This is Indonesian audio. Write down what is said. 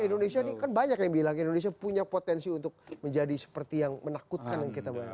indonesia ini kan banyak yang bilang indonesia punya potensi untuk menjadi seperti yang menakutkan yang kita bangun